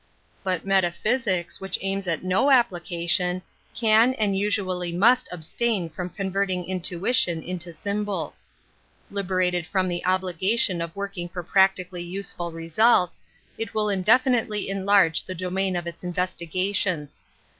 But metaphysics, which aims at no application, can and usually must abstain from converting intuition into sym , bo Is. Liberated from the obligation of working for practically useful results, it ill indefinitely enlarge the domain of its .Testigations.